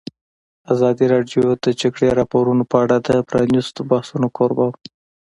ازادي راډیو د د جګړې راپورونه په اړه د پرانیستو بحثونو کوربه وه.